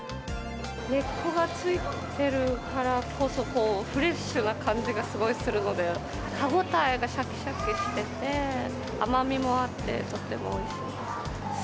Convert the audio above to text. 根っこが付いてるからこそ、フレッシュな感じがすごいするので、歯応えがしゃきしゃきしてて、甘みもあって、とってもおいしいです。